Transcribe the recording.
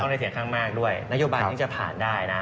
ในเสียงข้างมากด้วยนโยบายนี้จะผ่านได้นะ